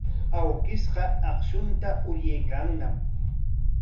Awkishqa akshunta uryaykanñam.